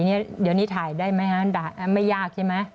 เดี๋ยวนี้ถ่ายได้ไหมฮะไม่ยากใช่ไหม